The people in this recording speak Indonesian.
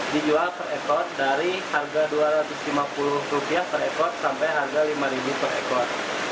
dijual per ekor dari harga rp dua ratus lima puluh per ekor sampai harga rp lima per ekor